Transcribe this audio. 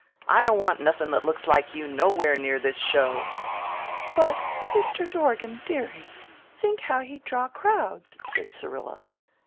"I don't want nothin' that looks like you nowhere near this show." "But, Mr. Dorgan, dearie, think how he'd draw crowds," said Syrilla.